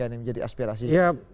yang menjadi aspirasi